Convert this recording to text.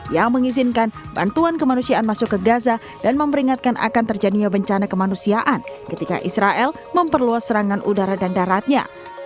yang mengizinkan bantuan kemanusiaan masuk ke gaza dan memberingatkan akan terjadinya bencana kemanusiaan ketika israel memperluas serangan udara dan daratnya